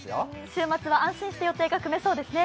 週末は安心して予定が組めそうですね。